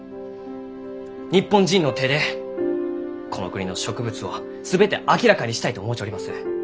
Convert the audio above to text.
日本人の手でこの国の植物を全て明らかにしたいと思うちょります。